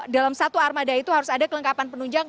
dalam satu armada itu harus ada kelengkapan penunjang